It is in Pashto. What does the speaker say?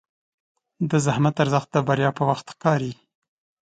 د زحمت ارزښت د بریا په وخت ښکاري.